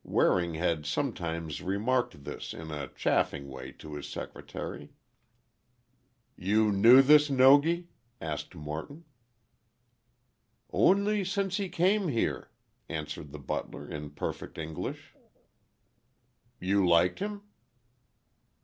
Waring had sometimes remarked this in a chaffing way to his secretary. "You knew this Nogi?" asked Morton. "Only since he came here," answered the butler, in perfect English. "You liked him?"